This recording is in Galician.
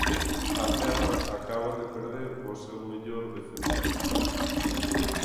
A Terra acaba de perder ao seu mellor defensor.